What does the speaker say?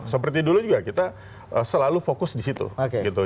seperti dulu juga kita selalu fokus di situ gitu